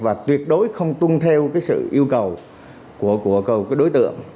và tuyệt đối không tuân theo sự yêu cầu của đối tượng